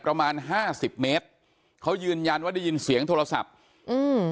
ประมาณห้าสิบเมตรเขายืนยันว่าได้ยินเสียงโทรศัพท์อืม